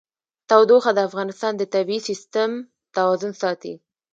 تودوخه د افغانستان د طبعي سیسټم توازن ساتي.